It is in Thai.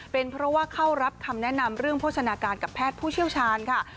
เป็นเพราะว่าเข้ารับคำแนะนำเรื่องโภชนาการกับแพทย์ผู้เชี่ยวชาญค่ะ